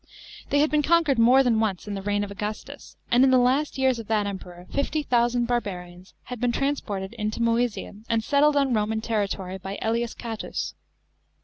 They had been conquered more than once in the reign of Augustus, and in the last years of that Emperor, 50,000 barbarians had been transported into Mcesia, and settled on Roman territory by ^jlius Catus.